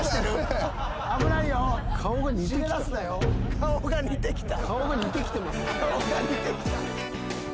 顔が似てきた？